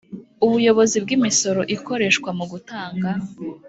Ubuyobozi bw Imisoro ikoreshwa mu gutanga